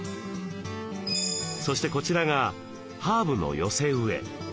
そしてこちらがハーブの寄せ植え。